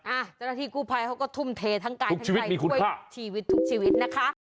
ะเจ้าหน้าที่กู้ไพเค้าก็ทุ่มเททั้งกายทุกชีวิตมีขุดผ้า